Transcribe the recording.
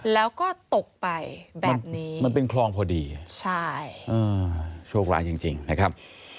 แล้วก็ตกไปแบบนี้มันเป็นคลองพอดีใช่โชคร้ายจริงจริงนะครับ